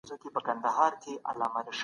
د ازادۍ ارزښت په هغه وخت کي معلوم سو.